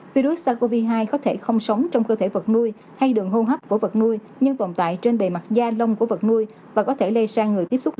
virus sars cov hai có thể không sống trong cơ thể vật nuôi hay đường hô hấp của vật nuôi nhưng tồn tại trên bề mặt gia lông của vật nuôi và có thể lây sang người tiếp xúc gần